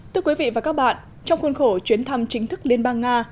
thưa quý vị và các bạn trong khuôn khổ chuyến thăm chính thức liên bang nga